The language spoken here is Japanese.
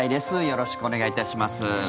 よろしくお願いします。